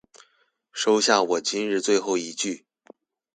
收下我今日最後一句